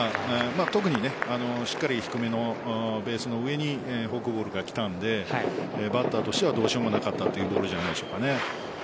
特にしっかり低めのベースの上にフォークボールが来たのでバッターとしてはどうしようもなかったというボールじゃないですかね。